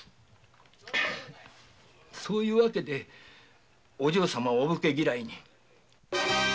そういう訳でお嬢様はお武家嫌いに。